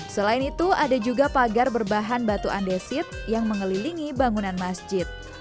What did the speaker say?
selain itu ada juga pagar berbahan batu andesit yang mengelilingi bangunan masjid